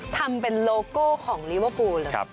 ทำเป็นโลโก้ของลิเวอร์ฟูลเลย